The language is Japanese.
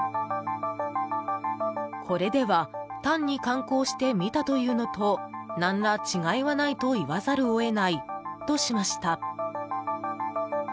これでは単に観光して見たというのと何ら違いはないと言わざるを得ないとしました。